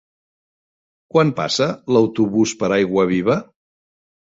Quan passa l'autobús per Aiguaviva?